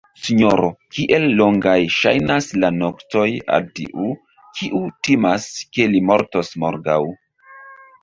sinjoro, kiel longaj ŝajnas la noktoj al tiu, kiu timas, ke li mortos morgaŭ!